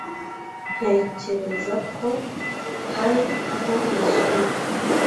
ntekereza ko hari aho nasomye